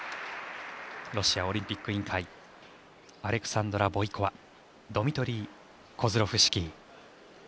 ロシアオリンピック委員会アレクサンドラ・ボイコワドミトリー・コズロフシキー。